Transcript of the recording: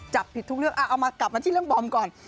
จับผิดทุกเรื่องเอามากลับมาที่เรื่องบอมก่อน